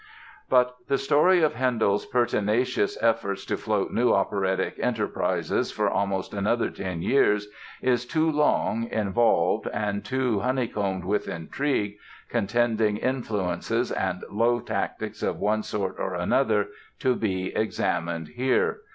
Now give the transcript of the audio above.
But the story of Handel's pertinacious efforts to float new operatic enterprises for almost another ten years is too long, involved and too honeycombed with intrigue, contending influences and low tactics of one sort or another to be examined here.